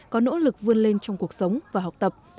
có nỗ lực vươn lên trong cuộc sống và học tập